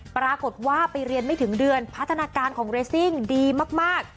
ปรากฏว่าไปเรียนไม่ถึงเดือนพัฒนาการของเรซิ่งดีมาก